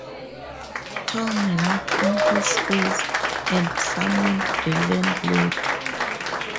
Tom laughed in his face; and summoned the landlady.